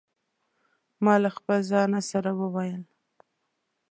ما له خپل ځانه سره وویل.